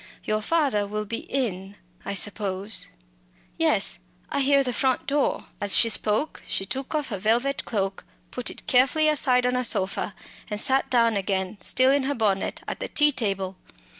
"Your father will be in, I suppose. Yes, I hear the front door." As she spoke she took off her velvet cloak, put it carefully aside on a sofa, and sat down again, still in her bonnet, at the tea table.